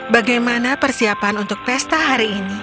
bagaimana persiapan untuk pesta hari ini